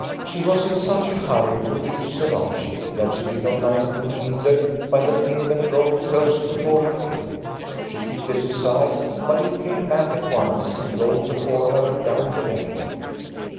She was in such a hurry to reach Sir Archie that she did not like being hindered by the thing that rolled close before her feet. She kicked it aside, but it came back at once and rolled before her down the lane.